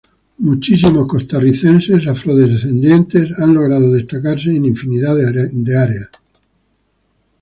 Muchísimos costarricenses afrodescendientes han logrado destacarse en infinidad de áreas.